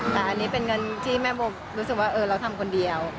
แต่อันนี้เป็นเงินที่แม่โบรู้สึกว่าเราทำคนเดียว